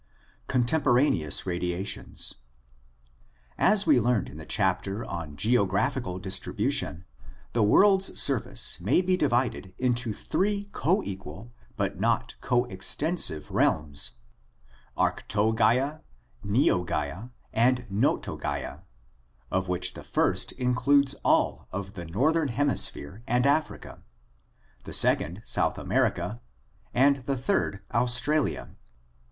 Contemporaneous Radiations. — As we learned in the chapter on geographical distribution, the world's surface may be divided into three coequal but not coextensive realms: Arctogaea, Neogaea, and Notogaea, of which the first includes all of the northern hemi sphere, and Africa; the second, South America; and the third, Australia.